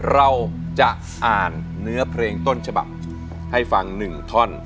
เราจะอ่านเนื้อเพลงต้นฉบับให้ฟัง๑ท่อน